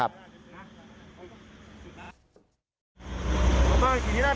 หมอปลาทีนี้น่าเป็นยังไงบ้างครับ